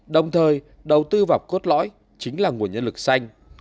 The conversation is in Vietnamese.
đồng thời đầu tư vào cốt lõi chính là nguồn nhân lực xanh